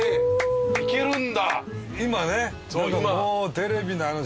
今ね。